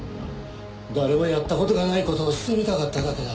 誰もやった事がない事をしてみたかっただけだ。